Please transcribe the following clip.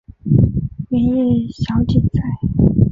圆叶小堇菜